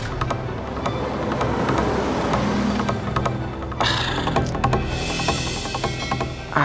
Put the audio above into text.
bentar ya bentar